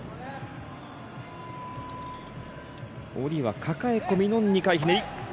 下りは抱え込みの２回ひねり。